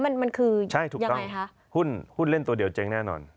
มันคือยังไงคะใช่ถูกต้องหุ้นเล่นตัวเดียวเจ๊งแน่นอน